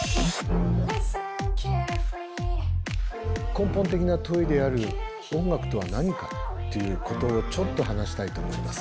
根本的な問いである音楽とは何かっていうことをちょっと話したいと思います。